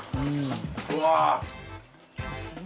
うわ！